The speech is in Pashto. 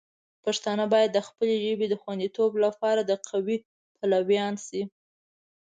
پښتانه باید د خپلې ژبې د خوندیتوب لپاره د قوی پلویان شي.